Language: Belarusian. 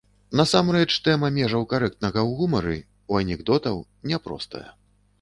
Насамрэч, тэма межаў карэктнага ў гумары, у анекдотаў, не простая.